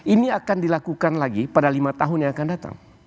ini akan dilakukan lagi pada lima tahun yang akan datang